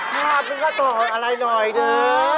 ครับแล้วก็ต่ออะไรหน่อยนึง